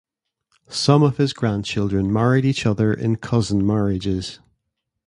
Some of his grandchildren married each other in cousin marriages.